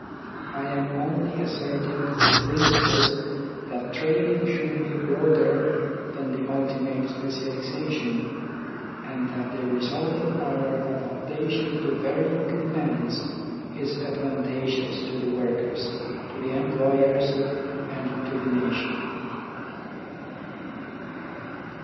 I am only asserting the principles that training should be broader than the ultimate specialisation, TECHNICAL EDUCATION 51 and that the resulting power of adaptation to varying demands is advantageous to the workers, to the employers, and to the nation.